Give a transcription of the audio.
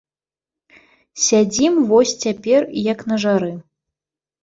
Сядзім вось цяпер, як на жары.